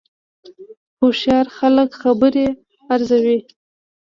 هوښیار خلک خبرې ارزوي